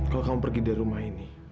kalau kamu pergi dari rumah ini